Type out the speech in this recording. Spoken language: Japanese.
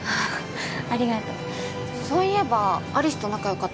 ありがとうそういえば有栖と仲よかった